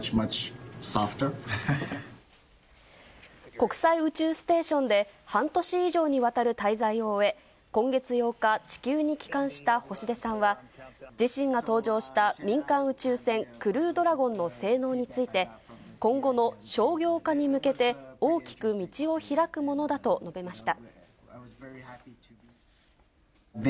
国際宇宙ステーションで、半年以上にわたる滞在を終え、今月８日、地球に帰還した星出さんは、自身が搭乗した民間宇宙船クルードラゴンの性能について、今後の商業化に向けて大きく道を開くものだと述べました。